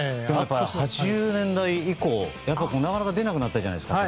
８０年代以降なかなか出なくなったじゃないですか。